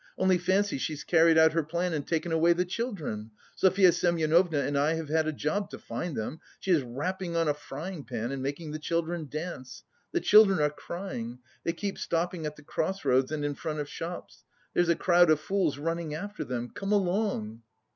Only fancy, she's carried out her plan, and taken away the children. Sofya Semyonovna and I have had a job to find them. She is rapping on a frying pan and making the children dance. The children are crying. They keep stopping at the cross roads and in front of shops; there's a crowd of fools running after them. Come along!"